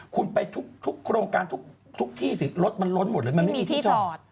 คุณไปทุกโครงการทุกที่สิรถมันล้นหมดเลยมันไม่มีที่จอด